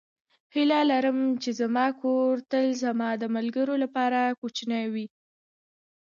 هیله لرم چې زما کور تل زما د ملګرو لپاره کوچنی وي.